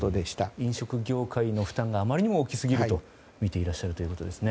飲食業界の負担があまりにも大きすぎるとみていらっしゃるということですね。